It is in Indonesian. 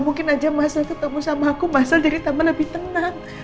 mungkin aja mas al ketemu sama aku mas al jadi tambah lebih tenang